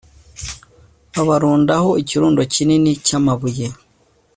babarundaho ikirundo kinini cy amabuye